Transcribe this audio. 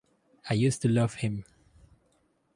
I used to love him.